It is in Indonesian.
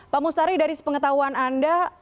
pak mustari dari sepengetahuan anda